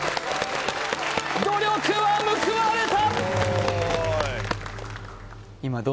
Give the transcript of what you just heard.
努力は報われた！